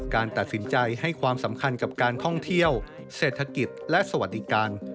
การตัดสินใจให้ความสำคัญกับการท่องเที่ยวเศรษฐกิจและสวัสดิการ